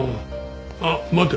あっ待て。